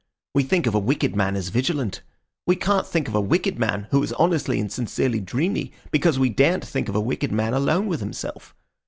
We think of a wicked man as vigilant. We can't think of a wicked man who is honestly and sincerely dreamy, because we daren't think of a wicked man alone with himself.